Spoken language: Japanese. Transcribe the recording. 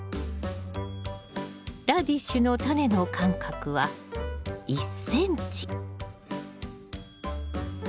ラディッシュのタネの間隔は１ｃｍ。